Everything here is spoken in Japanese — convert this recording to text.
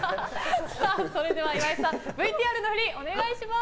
それでは岩井さんＶＴＲの振り、お願いします。